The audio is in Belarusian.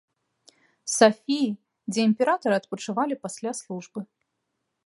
Сафіі, дзе імператары адпачывалі пасля службы.